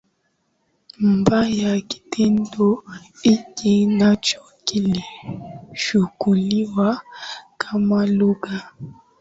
mbaya kitendo hiki nacho kilichukuliwa kama lugha